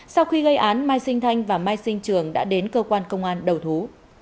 sau khi gây án mai sinh thanh và mai sinh trường đã đến cơ quan công an đầu thú